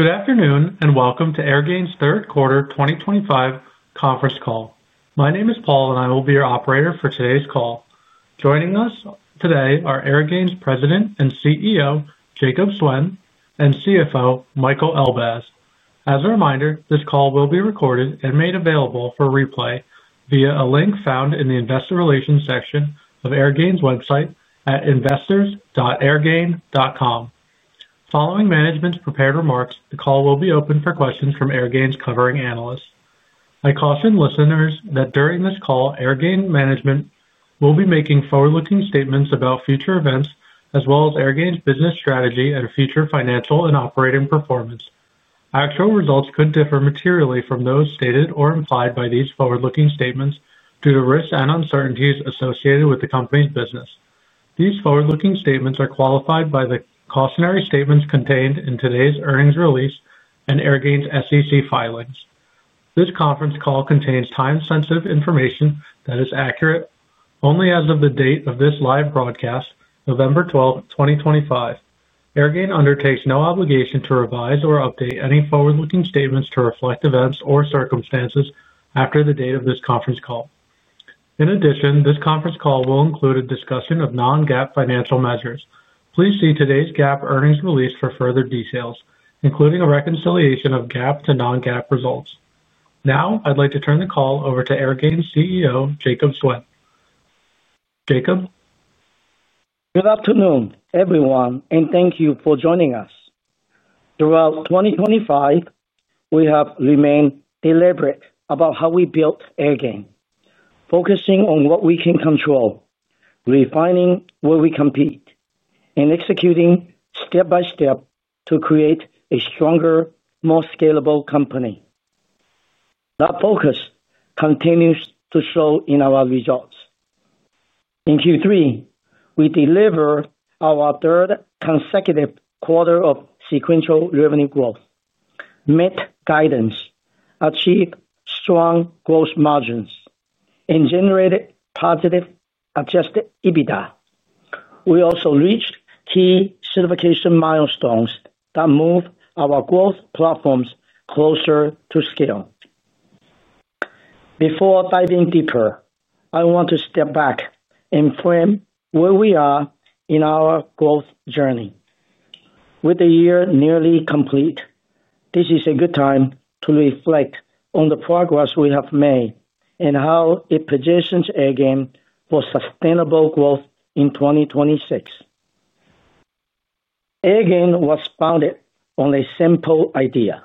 Good afternoon and welcome to Airgain's Third Quarter 2025 Conference Call. My name is Paul, and I will be your operator for today's call. Joining us today are Airgain's President and CEO, Jacob Suen, and CFO, Michael Elbaz. As a reminder, this call will be recorded and made available for replay via a link found in the investor relations section of Airgain's website at investors.airgain.com. Following management's prepared remarks, the call will be open for questions from Airgain's covering analysts. I caution listeners that during this call, Airgain management will be making forward-looking statements about future events as well as Airgain's business strategy and future financial and operating performance. Actual results could differ materially from those stated or implied by these forward-looking statements due to risks and uncertainties associated with the company's business. These forward-looking statements are qualified by the cautionary statements contained in today's earnings release and Airgain's SEC filings. This conference call contains time-sensitive information that is accurate only as of the date of this live broadcast, November 12th, 2025. Airgain undertakes no obligation to revise or update any forward-looking statements to reflect events or circumstances after the date of this conference call. In addition, this conference call will include a discussion of non-GAAP financial measures. Please see today's GAAP earnings release for further details, including a reconciliation of GAAP to non-GAAP results. Now, I'd like to turn the call over to Airgain's CEO, Jacob Suen. Jacob? Good afternoon, everyone, and thank you for joining us. Throughout 2025, we have remained deliberate about how we built Airgain, focusing on what we can control, refining where we compete, and executing step by step to create a stronger, more scalable company. That focus continues to show in our results. In Q3, we delivered our third consecutive quarter of sequential revenue growth, met guidance, achieved strong gross margins, and generated positive adjusted EBITDA. We also reached key certification milestones that moved our growth platforms closer to scale. Before diving deeper, I want to step back and frame where we are in our growth journey. With the year nearly complete, this is a good time to reflect on the progress we have made and how it positions Airgain for sustainable growth in 2026. Airgain was founded on a simple idea: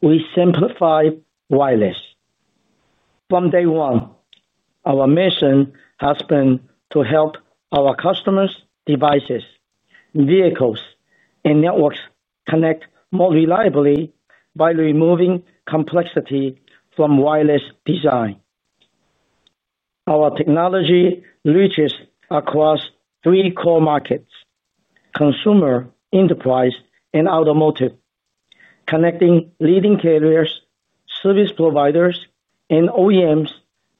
we simplify wireless. From day one, our mission has been to help our customers' devices, vehicles, and networks connect more reliably by removing complexity from wireless design. Our technology reaches across three core markets: consumer, enterprise, and automotive, connecting leading carriers, service providers, and OEMs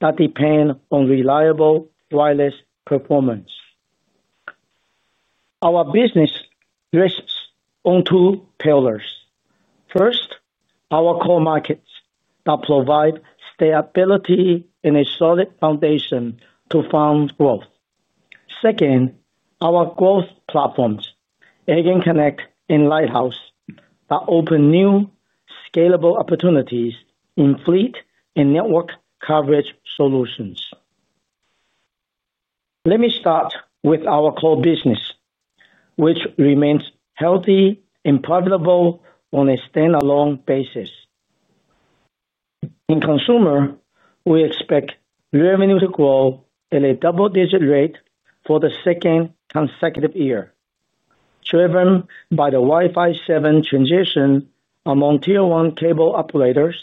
that depend on reliable wireless performance. Our business rests on two pillars. First, our core markets that provide stability and a solid foundation to fund growth. Second, our growth platforms, AirgainConnect and Lighthouse, that open new scalable opportunities in fleet and network coverage solutions. Let me start with our core business, which remains healthy and profitable on a standalone basis. In consumer, we expect revenue to grow at a double-digit rate for the second consecutive year, driven by the Wi-Fi 7 transition among Tier 1 cable operators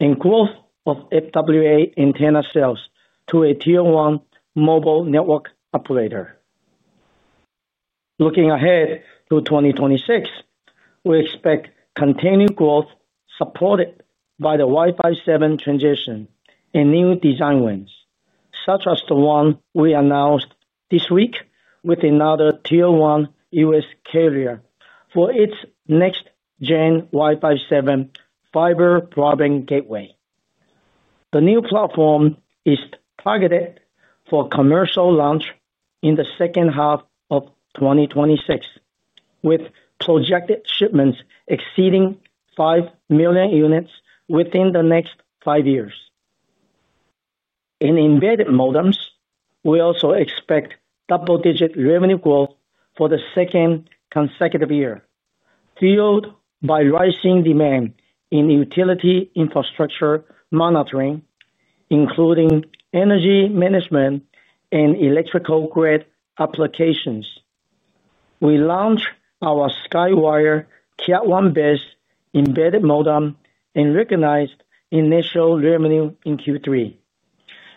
and growth of FWA antenna sales to a Tier 1 mobile network operator. Looking ahead to 2026, we expect continued growth supported by the Wi-Fi 7 transition and new design wins, such as the one we announced this week with another Tier 1 US carrier for its next-gen Wi-Fi 7 fiber broadband gateway. The new platform is targeted for commercial launch in the second half of 2026, with projected shipments exceeding 5 million units within the next five years. In embedded modems, we also expect double-digit revenue growth for the second consecutive year, fueled by rising demand in utility infrastructure monitoring, including energy management and electrical grid applications. We launched our Skywire Kiat One Base embedded modem and recognized initial revenue in Q3,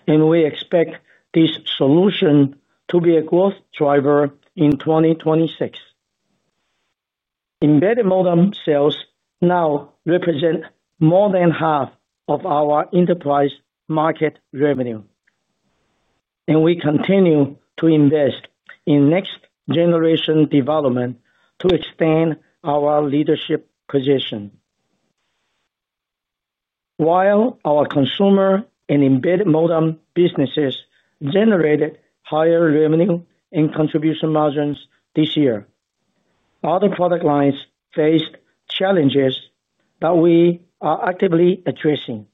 and we expect this solution to be a growth driver in 2026. Embedded modem sales now represent more than half of our enterprise market revenue, and we continue to invest in next-generation development to extend our leadership position. While our consumer and embedded modem businesses generated higher revenue and contribution margins this year, other product lines faced challenges that we are actively addressing.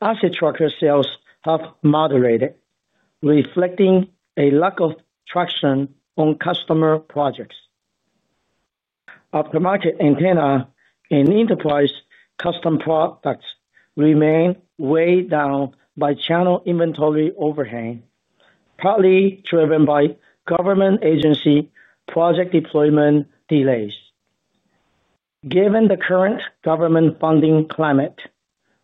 Asset Tracker sales have moderated, reflecting a lack of traction on customer projects. Aftermarket antenna and enterprise custom products remain weighed down by channel inventory overhang, partly driven by government agency project deployment delays. Given the current government funding climate,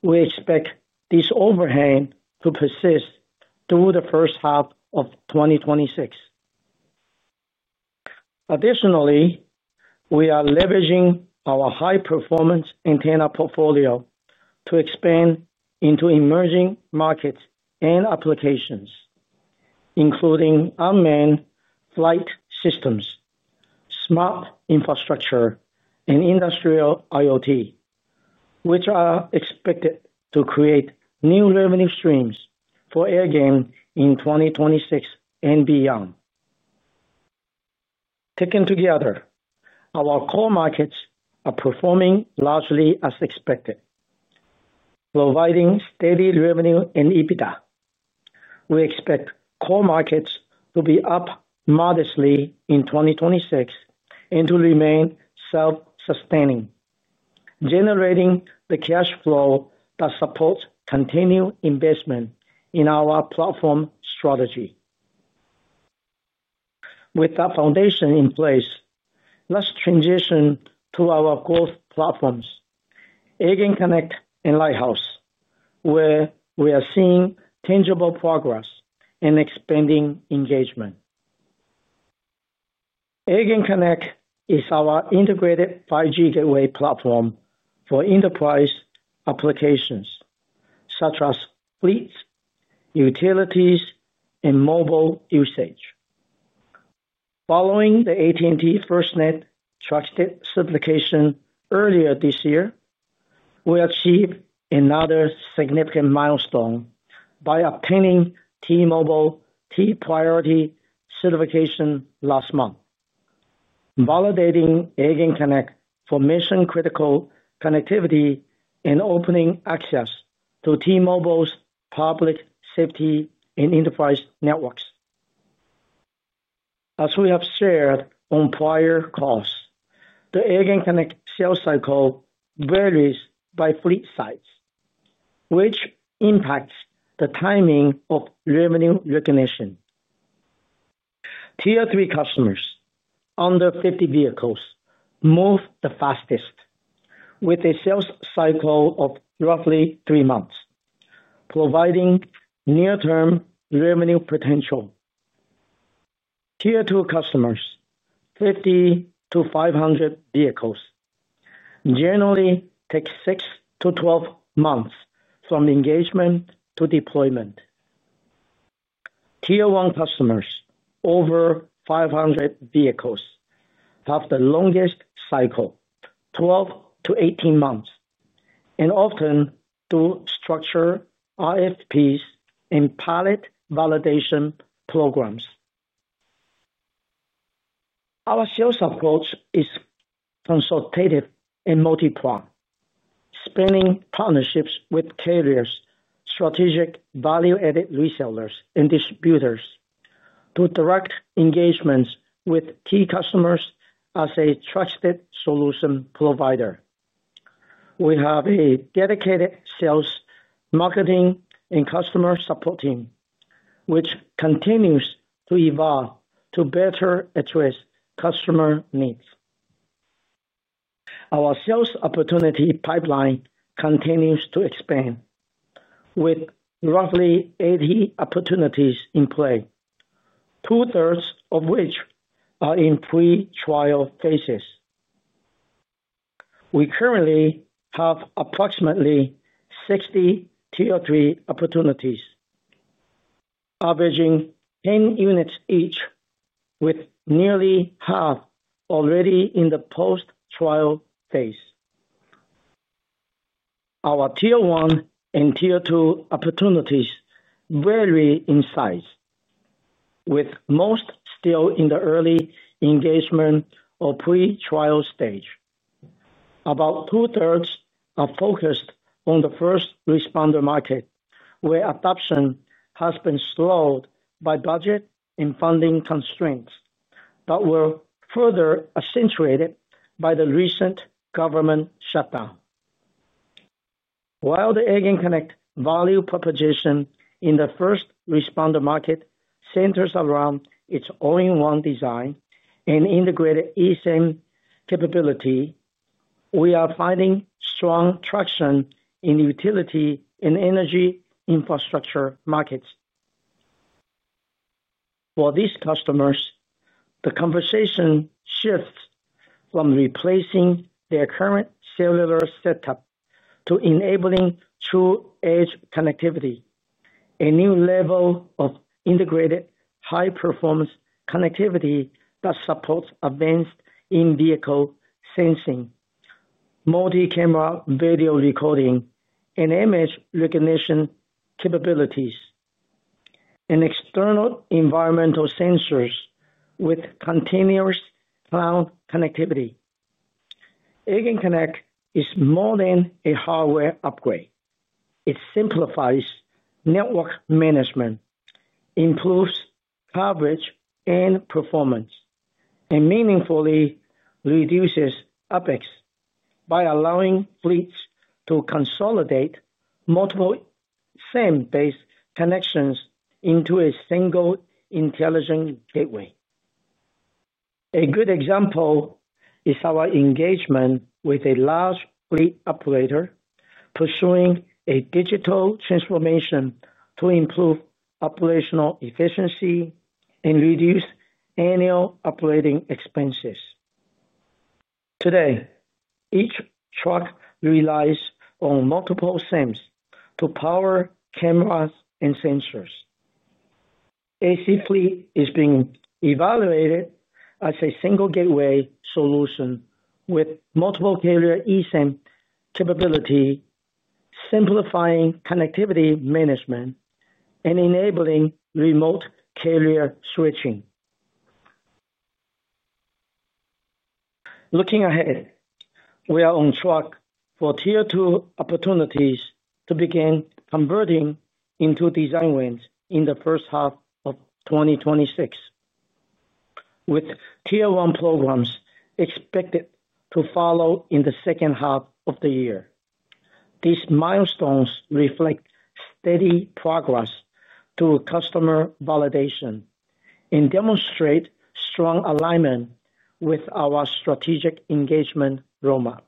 we expect this overhang to persist through the first half of 2026. Additionally, we are leveraging our high-performance antenna portfolio to expand into emerging markets and applications, including unmanned flight systems, smart infrastructure, and industrial IoT, which are expected to create new revenue streams for Airgain in 2026 and beyond. Taken together, our core markets are performing largely as expected, providing steady revenue and EBITDA. We expect core markets to be up modestly in 2026 and to remain self-sustaining, generating the cash flow that supports continued investment in our platform strategy. With that foundation in place, let's transition to our growth platforms, AirgainConnect and Lighthouse, where we are seeing tangible progress and expanding engagement. AirgainConnect is our integrated 5G gateway platform for enterprise applications such as fleets, utilities, and mobile usage. Following the AT&T FirstNet trusted certification earlier this year, we achieved another significant milestone by obtaining T-Mobile T-Priority certification last month, validating AirgainConnect for mission-critical connectivity and opening access to T-Mobile's public safety and enterprise networks. As we have shared on prior calls, the AirgainConnect sales cycle varies by fleet size, which impacts the timing of revenue recognition. Tier 3 customers under 50 vehicles move the fastest, with a sales cycle of roughly three months, providing near-term revenue potential. Tier 2 customers, 50-500 vehicles, generally take 6-12 months from engagement to deployment. Tier 1 customers, over 500 vehicles, have the longest cycle, 12-18 months, and often do structured RFPs and pilot validation programs. Our sales approach is consultative and multi-prong, spanning partnerships with carriers, strategic value-added resellers, and distributors to direct engagements with key customers as a trusted solution provider. We have a dedicated sales, marketing, and customer support team, which continues to evolve to better address customer needs. Our sales opportunity pipeline continues to expand, with roughly 80 opportunities in play, two-thirds of which are in pre-trial phases. We currently have approximately 60 Tier 3 opportunities, averaging 10 units each, with nearly half already in the post-trial phase. Our Tier 1 and Tier 2 opportunities vary in size, with most still in the early engagement or pre-trial stage. About two-thirds are focused on the first responder market, where adoption has been slowed by budget and funding constraints that were further accentuated by the recent government shutdown. While the AirgainConnect value proposition in the first responder market centers around its all-in-one design and integrated eSIM capability, we are finding strong traction in utility and energy infrastructure markets. For these customers, the conversation shifts from replacing their current cellular setup to enabling true edge connectivity, a new level of integrated high-performance connectivity that supports advanced in-vehicle sensing, multi-camera video recording, and image recognition capabilities, and external environmental sensors with continuous cloud connectivity. AirgainConnect is more than a hardware upgrade. It simplifies network management, improves coverage and performance, and meaningfully reduces OPEX by allowing fleets to consolidate multiple SIM-based connections into a single intelligent gateway. A good example is our engagement with a large fleet operator, pursuing a digital transformation to improve operational efficiency and reduce annual operating expenses. Today, each truck relies on multiple SIMs to power cameras and sensors. AC Fleet is being evaluated as a single gateway solution with multiple carrier eSIM capability, simplifying connectivity management and enabling remote carrier switching. Looking ahead, we are on track for Tier 2 opportunities to begin converting into design wins in the first half of 2026, with Tier 1 programs expected to follow in the second half of the year. These milestones reflect steady progress to customer validation and demonstrate strong alignment with our strategic engagement roadmap.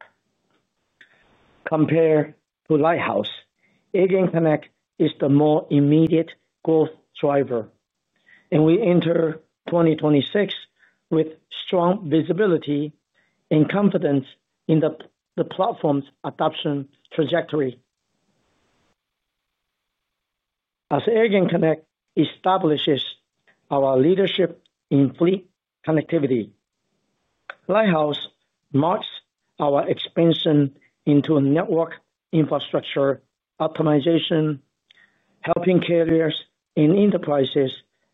Compared to Lighthouse, AirgainConnect is the more immediate growth driver, and we enter 2026 with strong visibility and confidence in the platform's adoption trajectory. As AirgainConnect establishes our leadership in fleet connectivity, Lighthouse marks our expansion into network infrastructure optimization, helping carriers and enterprises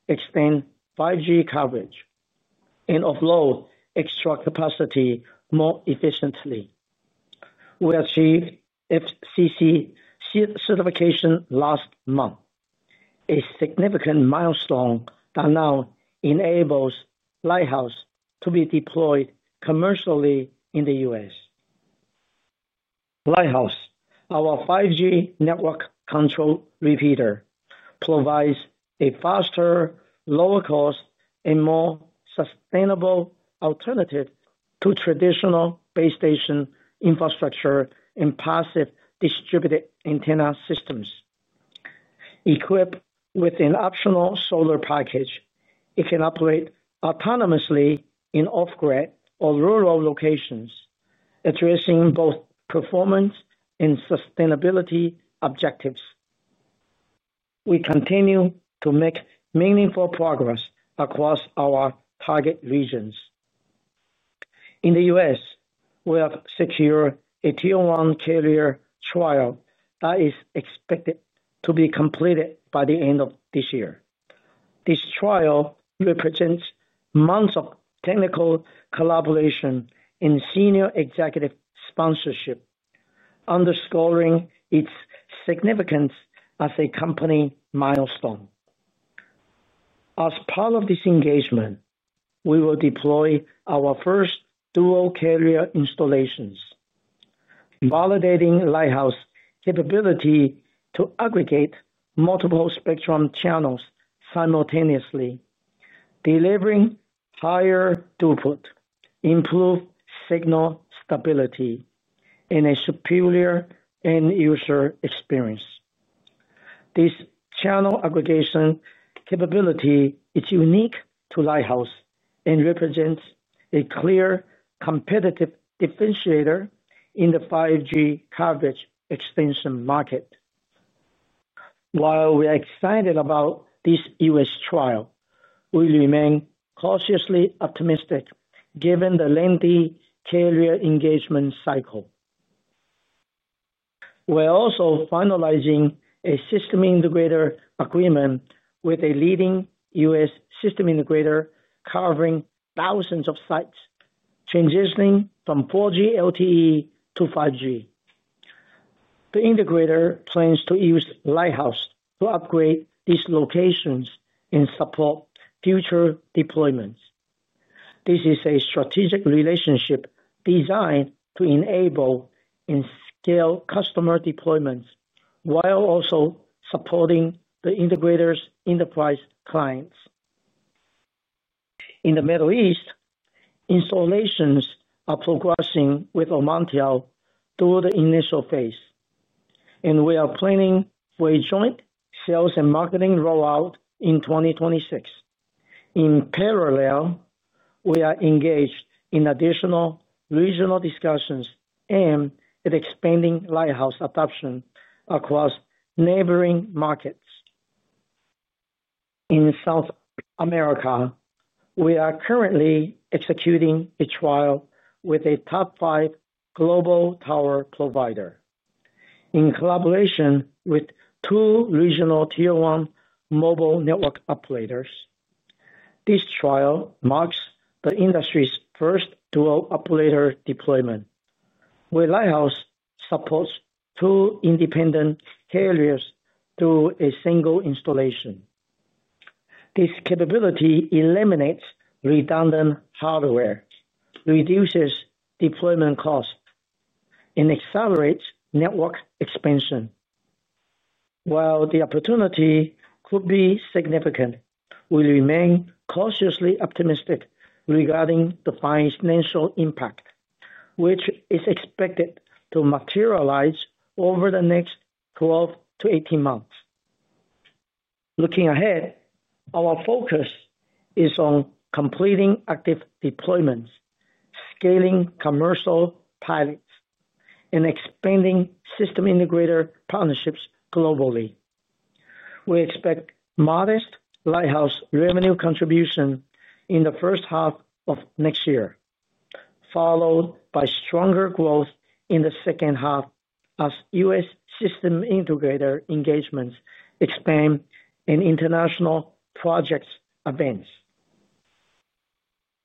extend 5G coverage and offload extra capacity more efficiently. We achieved FCC certification last month, a significant milestone that now enables Lighthouse to be deployed commercially in the U.S. Lighthouse, our 5G network control repeater, provides a faster, lower-cost, and more sustainable alternative to traditional base station infrastructure and passive distributed antenna systems. Equipped with an optional solar package, it can operate autonomously in off-grid or rural locations, addressing both performance and sustainability objectives. We continue to make meaningful progress across our target regions. In the U.S., we have secured a Tier 1 carrier trial that is expected to be completed by the end of this year. This trial represents months of technical collaboration and senior executive sponsorship, underscoring its significance as a company milestone. As part of this engagement, we will deploy our first dual carrier installations, validating Lighthouse's capability to aggregate multiple spectrum channels simultaneously, delivering higher throughput, improved signal stability, and a superior end-user experience. This channel aggregation capability is unique to Lighthouse and represents a clear competitive differentiator in the 5G coverage extension market. While we are excited about this US trial, we remain cautiously optimistic given the lengthy carrier engagement cycle. We are also finalizing a system integrator agreement with a leading US system integrator covering thousands of sites, transitioning from 4G LTE to 5G. The integrator plans to use Lighthouse to upgrade these locations and support future deployments. This is a strategic relationship designed to enable and scale customer deployments while also supporting the integrator's enterprise clients. In the Middle East, installations are progressing with Omantel through the initial phase, and we are planning for a joint sales and marketing rollout in 2026. In parallel, we are engaged in additional regional discussions and at expanding Lighthouse adoption across neighboring markets. In South America, we are currently executing a trial with a top five global tower provider in collaboration with two regional Tier 1 mobile network operators. This trial marks the industry's first dual operator deployment, where Lighthouse supports two independent carriers through a single installation. This capability eliminates redundant hardware, reduces deployment costs, and accelerates network expansion. While the opportunity could be significant, we remain cautiously optimistic regarding the financial impact, which is expected to materialize over the next 12-18 months. Looking ahead, our focus is on completing active deployments, scaling commercial pilots, and expanding system integrator partnerships globally. We expect modest Lighthouse revenue contribution in the first half of next year, followed by stronger growth in the second half as U.S. system integrator engagements expand and international projects advance.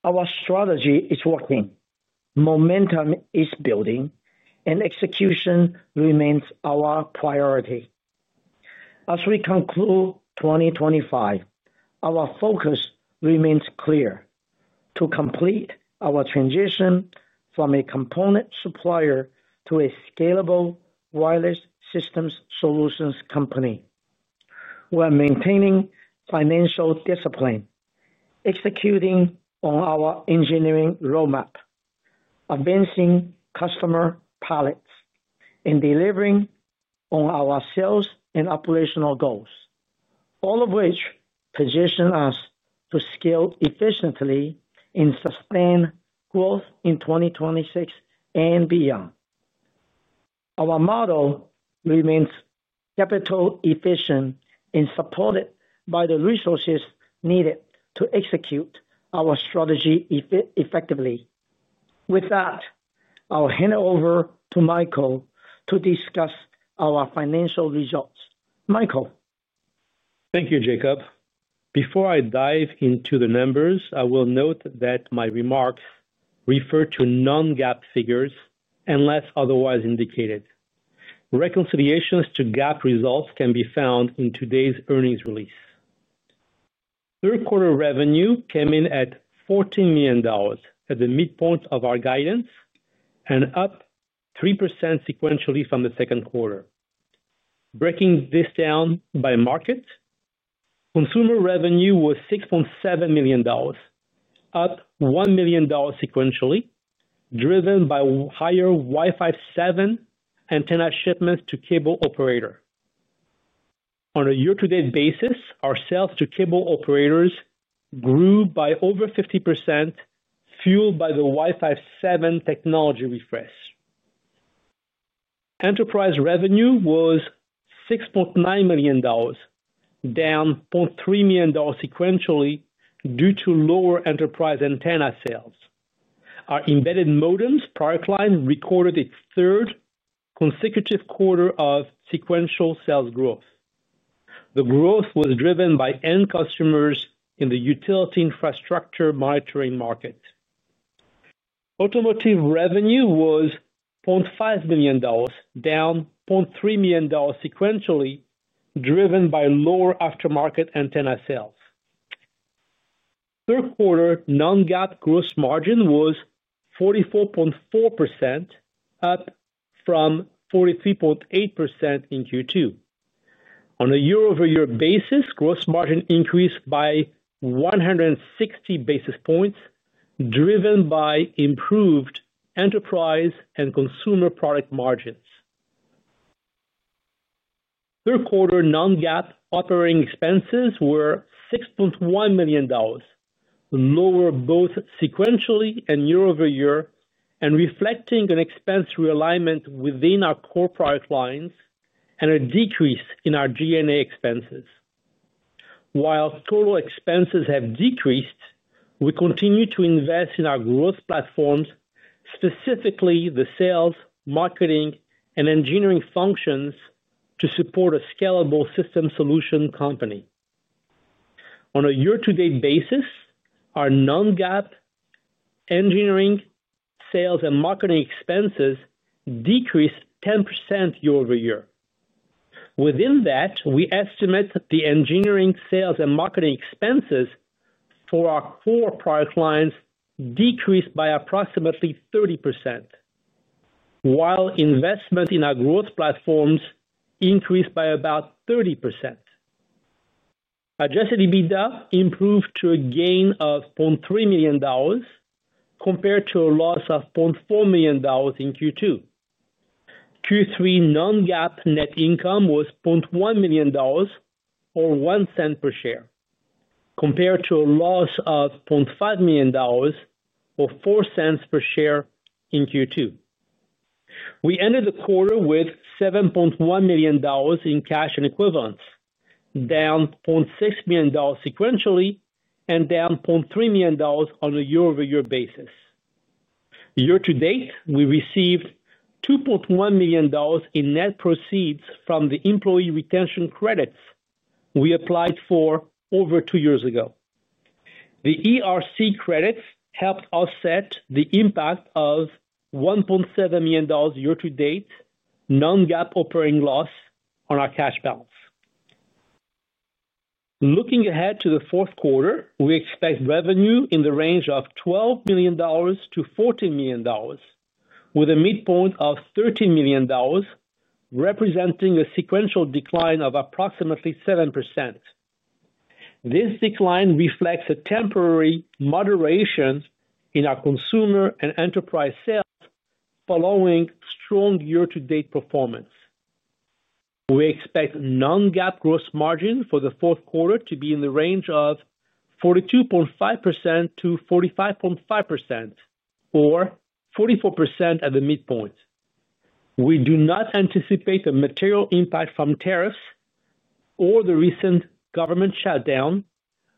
Our strategy is working. Momentum is building, and execution remains our priority. As we conclude 2025, our focus remains clear: to complete our transition from a component supplier to a scalable wireless systems solutions company. We are maintaining financial discipline, executing on our engineering roadmap, advancing customer pilots, and delivering on our sales and operational goals, all of which position us to scale efficiently and sustain growth in 2026 and beyond. Our model remains capital efficient and supported by the resources needed to execute our strategy effectively. With that, I'll hand it over to Michael to discuss our financial results. Michael. Thank you, Jacob. Before I dive into the numbers, I will note that my remarks refer to non-GAAP figures unless otherwise indicated. Reconciliations to GAAP results can be found in today's earnings release. Third quarter revenue came in at $14 million at the midpoint of our guidance and up 3% sequentially from the second quarter. Breaking this down by market, consumer revenue was $6.7 million, up $1 million sequentially, driven by higher Wi-Fi 7 antenna shipments to cable operators. On a year-to-date basis, our sales to cable operators grew by over 50%, fueled by the Wi-Fi 7 technology refresh. Enterprise revenue was $6.9 million, down $0.3 million sequentially due to lower enterprise antenna sales. Our embedded modems, Parkline, recorded a third consecutive quarter of sequential sales growth. The growth was driven by end customers in the utility infrastructure monitoring market. Automotive revenue was $0.5 million, down $0.3 million sequentially, driven by lower aftermarket antenna sales. Third quarter non-GAAP gross margin was 44.4%, up from 43.8% in Q2. On a year-over-year basis, gross margin increased by 160 basis points, driven by improved enterprise and consumer product margins. Third quarter non-GAAP operating expenses were $6.1 million, lower both sequentially and year-over-year, and reflecting an expense realignment within our core product lines and a decrease in our SG&A expenses. While total expenses have decreased, we continue to invest in our growth platforms, specifically the sales, marketing, and engineering functions to support a scalable system solution company. On a year-to-date basis, our non-GAAP engineering, sales, and marketing expenses decreased 10% year-over-year. Within that, we estimate the engineering, sales, and marketing expenses for our core product lines decreased by approximately 30%, while investment in our growth platforms increased by about 30%. Adjusted EBITDA improved to a gain of $0.3 million compared to a loss of $0.4 million in Q2. Q3 non-GAAP net income was $0.1 million or 1 cent per share, compared to a loss of $0.5 million or 4 cents per share in Q2. We ended the quarter with $7.1 million in cash and equivalents, down $0.6 million sequentially and down $0.3 million on a year-over-year basis. Year-to-date, we received $2.1 million in net proceeds from the employee retention credits we applied for over two years ago. The ERC credits helped offset the impact of $1.7 million year-to-date non-GAAP operating loss on our cash balance. Looking ahead to the fourth quarter, we expect revenue in the range of $12 million-$14 million, with a midpoint of $13 million, representing a sequential decline of approximately 7%. This decline reflects a temporary moderation in our consumer and enterprise sales following strong year-to-date performance. We expect non-GAAP gross margin for the fourth quarter to be in the range of 42.5% to 45.5%, or 44% at the midpoint. We do not anticipate a material impact from tariffs or the recent government shutdown,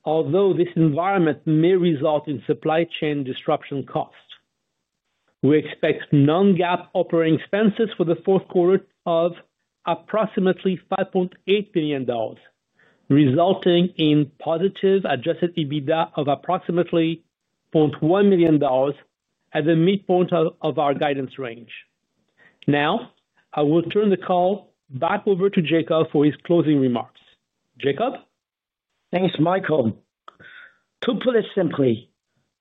although this environment may result in supply chain disruption costs. We expect non-GAAP operating expenses for the fourth quarter of approximately $5.8 million, resulting in positive adjusted EBITDA of approximately $0.1 million at the midpoint of our guidance range. Now, I will turn the call back over to Jacob for his closing remarks. Jacob? Thanks, Michael. To put it simply,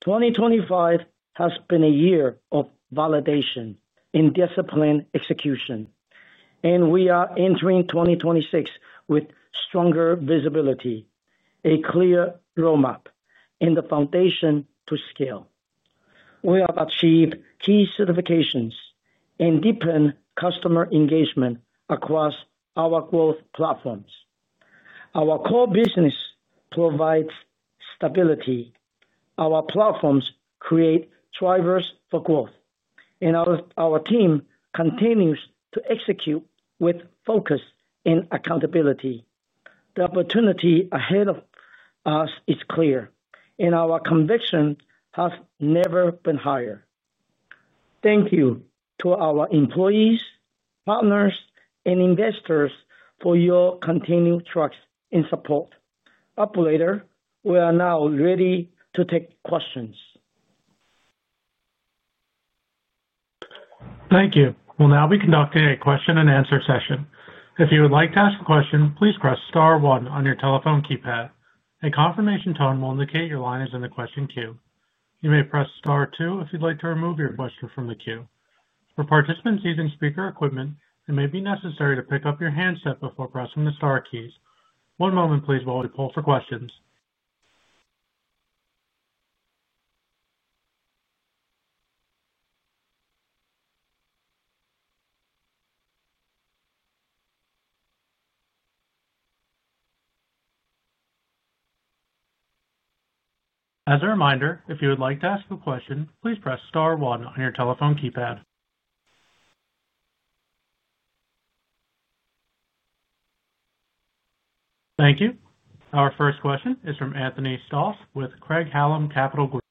2025 has been a year of validation and discipline execution, and we are entering 2026 with stronger visibility, a clear roadmap, and the foundation to scale. We have achieved key certifications and deepened customer engagement across our growth platforms. Our core business provides stability. Our platforms create drivers for growth, and our team continues to execute with focus and accountability. The opportunity ahead of us is clear, and our conviction has never been higher. Thank you to our employees, partners, and investors for your continued trust and support. Operator, we are now ready to take questions. Thank you. We'll now be conducting a question-and-answer session. If you would like to ask a question, please press *1 on your telephone keypad. A confirmation tone will indicate your line is in the question queue. You may press *2 if you'd like to remove your question from the queue. For participants using speaker equipment, it may be necessary to pick up your handset before pressing the * keys. One moment, please, while we pull for questions. As a reminder, if you would like to ask a question, please press *1 on your telephone keypad. Thank you. Our first question is from Anthony Stoss with Craig-Hallum Capital Group.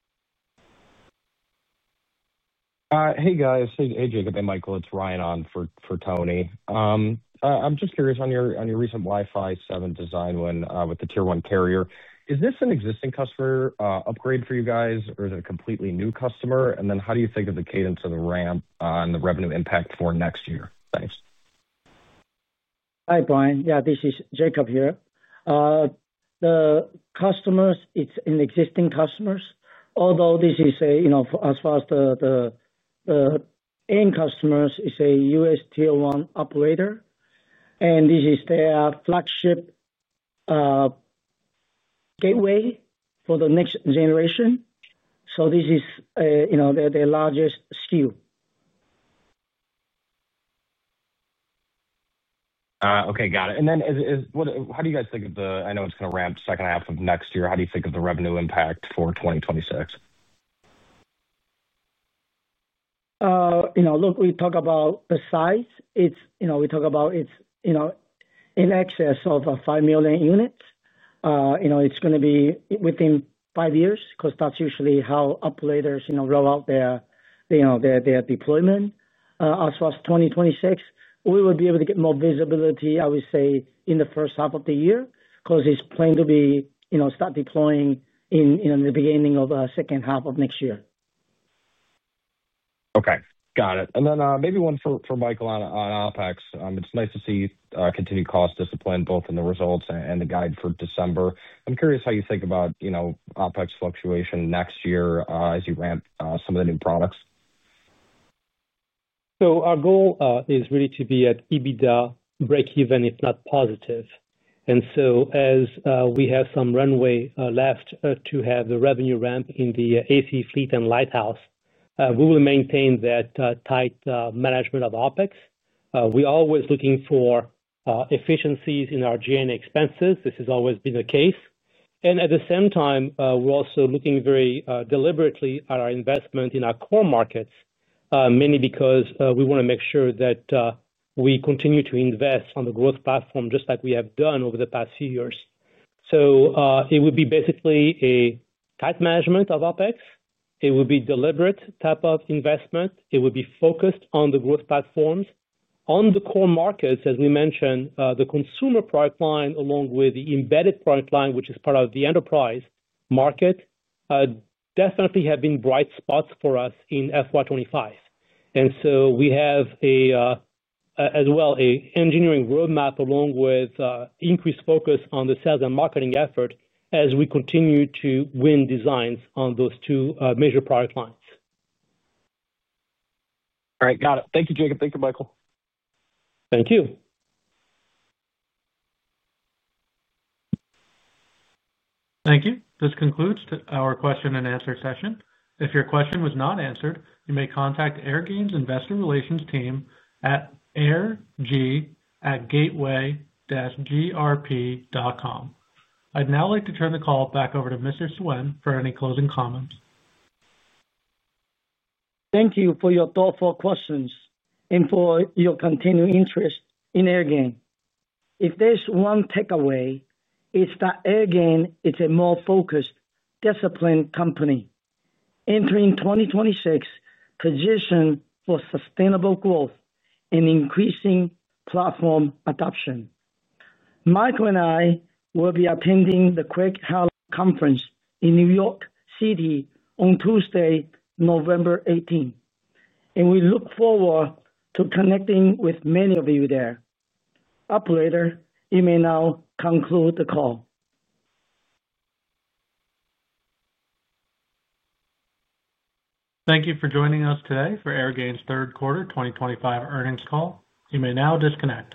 Hey, guys. Hey, Jacob and Michael. It's Ryan on for Tony. I'm just curious on your recent Wi-Fi 7 design with the Tier 1 carrier. Is this an existing customer upgrade for you guys, or is it a completely new customer? And then how do you think of the cadence of the ramp and the revenue impact for next year? Thanks. Hi, Ryan. Yeah, this is Jacob here. The customer, it's an existing customer, although this is as far as the end customers, it's a US Tier 1 operator, and this is their flagship gateway for the next generation. So this is their largest STU. Okay, got it. How do you guys think of the—I know it's going to ramp second half of next year. How do you think of the revenue impact for 2026? Look, we talk about the size. We talk about it's in excess of 5 million units. It's going to be within five years because that's usually how operators roll out their deployment. As far as 2026, we would be able to get more visibility, I would say, in the first half of the year because it's planned to start deploying in the beginning of the second half of next year. Okay, got it. Maybe one for Michael on OPEX. It's nice to see continued cost discipline both in the results and the guide for December. I'm curious how you think about OPEX fluctuation next year as you ramp some of the new products? Our goal is really to be at EBITDA break-even, if not positive. As we have some runway left to have the revenue ramp in the AC fleet and Lighthouse, we will maintain that tight management of OPEX. We are always looking for efficiencies in our G&A expenses. This has always been the case. At the same time, we are also looking very deliberately at our investment in our core markets, mainly because we want to make sure that we continue to invest on the growth platform just like we have done over the past few years. It would be basically a tight management of OPEX. It would be a deliberate type of investment. It would be focused on the growth platforms. On the core markets, as we mentioned, the consumer product line along with the embedded product line, which is part of the enterprise market, definitely have been bright spots for us in FY'25. We have as well an engineering roadmap along with increased focus on the sales and marketing effort as we continue to win designs on those two major product lines. All right, got it. Thank you, Jacob. Thank you, Michael. Thank you. Thank you. This concludes our question-and-answer session. If your question was not answered, you may contact Airgain's investor relations team at airg@gateway-grp.com. I'd now like to turn the call back over to Mr. Suen for any closing comments. Thank you for your thoughtful questions and for your continued interest in Airgain. If there's one takeaway, it's that Airgain is a more focused, disciplined company entering 2026 positioned for sustainable growth and increasing platform adoption. Michael and I will be attending the Craig-Hallum Conference in New York City on Tuesday, November 18, and we look forward to connecting with many of you there. Operator, you may now conclude the call. Thank you for joining us today for Airgain's third quarter 2025 earnings call. You may now disconnect.